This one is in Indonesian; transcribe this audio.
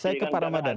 saya ke pak ramadhan